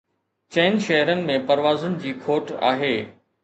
چئن شهرن ۾ پروازن جي کوٽ آهي